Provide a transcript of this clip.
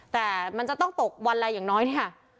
แต่มันจะต้องตกวันละอย่างน้อยเนี่ยค่ะ